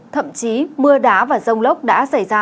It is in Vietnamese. thậm chí mưa đá và rông lốc đã xảy ra